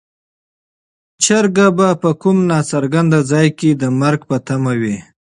چرګه به په کوم ناڅرګند ځای کې د مرګ په تمه وي.